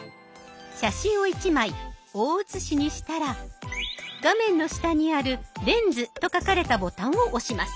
写真を１枚大写しにしたら画面の下にある「レンズ」と書かれたボタンを押します。